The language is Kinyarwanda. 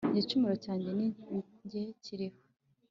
igicumuro cyanjye ni jye kiriho